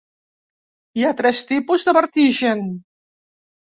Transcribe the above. Hi ha tres tipus de vertigen.